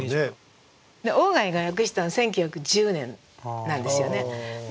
鴎外が訳したの１９１０年なんですよね。